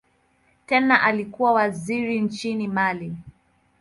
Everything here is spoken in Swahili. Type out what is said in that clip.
Tena alikuwa waziri nchini Mali.